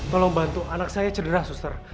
tolong bantu anak saya cedera suster